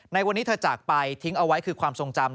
ในวันนี้เธอจากไปทิ้งเอาไว้คือความทรงจำ